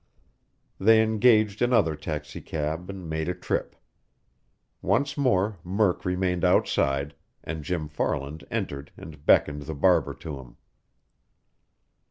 They engaged another taxicab and made a trip. Once more Murk remained outside, and Jim Farland entered and beckoned the barber to him.